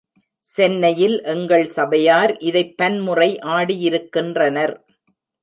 சென்னையில் எங்கள் சபையார் இதைப் பன்முறை ஆடியிருக்கின்றனர்.